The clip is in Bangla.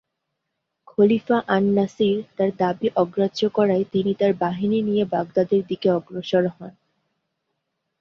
খলিফা আন-নাসির তার দাবি অগ্রাহ্য করায় তিনি তার বাহিনী নিয়ে বাগদাদের দিকে অগ্রসর হন।